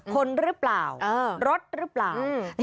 คนรึเปล่ารถรึเปล่า